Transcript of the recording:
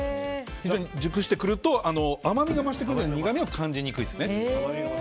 非常に熟してくると甘みが増してきて苦みを感じにくいです。